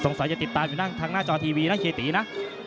สงสัยจะติดตามอยู่ทางหน้าจอทีวีนะเคยตีนะ